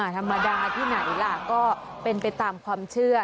ธรรมดาที่ไหนล่ะก็เป็นไปตามความเชื่อ